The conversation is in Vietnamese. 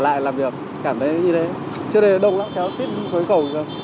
trước đây là đông lắm kéo tiếp khối cầu